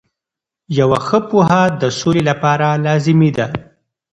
یوه ښه پوهه د سولې لپاره لازمي ده.